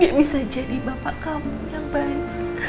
bisa jadi bapak kamu yang baik